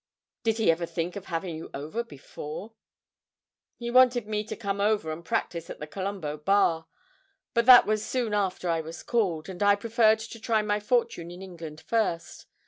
'Did he never think of having you over before?' 'He wanted me to come over and practise at the Colombo Bar, but that was soon after I was called, and I preferred to try my fortune in England first.